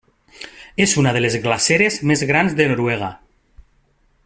És una de les glaceres més grans de Noruega.